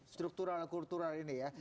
struktural kultural ini ya